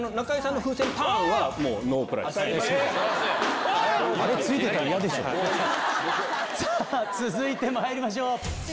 すごい！続いてまいりましょう。